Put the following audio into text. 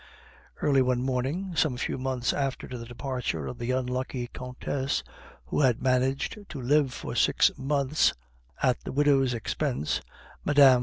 Early one morning, some few months after the departure of the unlucky Countess who had managed to live for six months at the widow's expense, Mme.